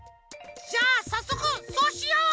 じゃあさっそくそうしよう！